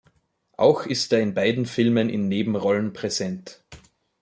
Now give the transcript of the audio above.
Auch ist er in beiden Filmen in Nebenrollen präsent.